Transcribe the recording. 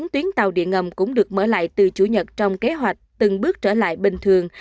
bốn tuyến tàu điện ngầm cũng được mở lại từ chủ nhật trong kế hoạch từng bước trở lại bình thường